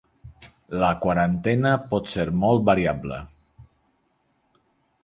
La quarantena pot ser molt variable.